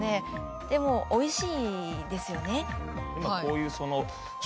でもおいしいですよね。